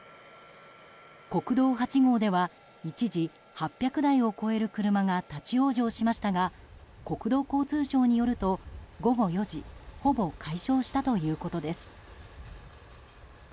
国道８号では一時８００台を超える車が立ち往生しましたが国土交通省によると午後４時ほぼ解消したということです。